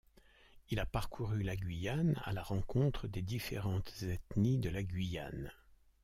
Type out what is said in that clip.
Il a parcouru la Guyane à la rencontre des différentes ethnies de la Guyane.